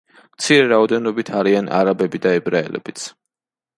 მცირე რაოდენობით არიან არაბები და ებრაელებიც.